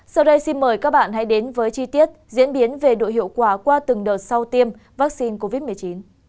sau đây xin mời các bạn hãy đến với chi tiết diễn biến về độ hiệu quả qua từng đợt sau tiêm vaccine covid một mươi chín